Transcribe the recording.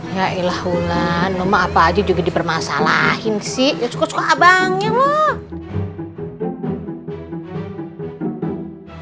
ya elahulah nomor apa aja juga dipermasalahin sih ya suka suka abangnya loh